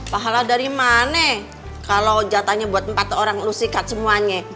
pahala dari mana kalau jatahnya buat empat orang lu sikat semuanya